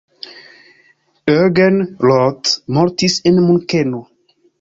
Eugen Roth mortis en Munkeno.